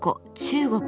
中国